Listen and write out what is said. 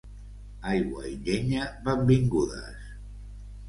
Aigua i llenya, benvingudes.